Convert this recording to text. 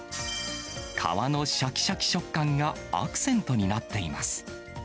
皮のしゃきしゃき食感がアクセントになっています。